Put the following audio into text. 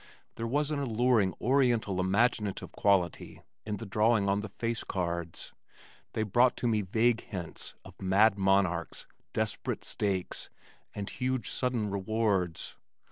There was an alluring oriental imaginative quality in the drawing on the face cards. They brought to me vague hints of mad monarchs, desperate stakes, and huge sudden rewards.